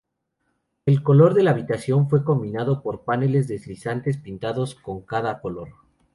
El color de la habitación fue cambiado por paneles deslizantes pintados con cada color.